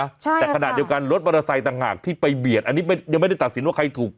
ใช่แต่ขณะเดียวกันรถมอเตอร์ไซค์ต่างหากที่ไปเบียดอันนี้ยังไม่ได้ตัดสินว่าใครถูก